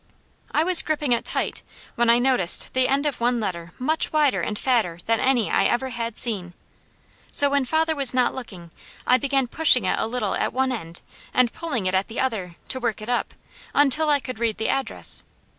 I was gripping it tight when I noticed the end of one letter much wider and fatter than any I ever had seen, so when father was not looking I began pushing it a little at one end, and pulling it at the other, to work it up, until I could read the address.